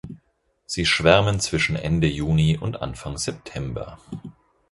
Sie schwärmen zwischen Ende Juni und Anfang September.